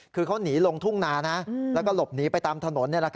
คือเขาหนีลงทุ่งนาแล้วก็หลบหนีไปตามถนน